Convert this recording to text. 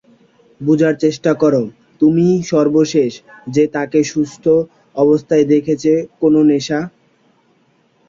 বুঝার চেষ্টা কর, তুইই সর্বশেষ যে তাকে সুস্থ অবস্থায় দেখেছে কোন নেশা?